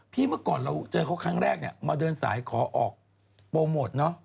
เมื่อก่อนเราเจอเขาครั้งแรกเนี่ยมาเดินสายขอออกโปรโมทเนอะ